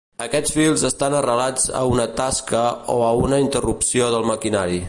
Aquests fils estan arrelats a una tasca o a una interrupció del maquinari.